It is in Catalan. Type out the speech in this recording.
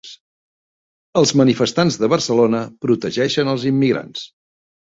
Els manifestants de Barcelona protegeixen els immigrants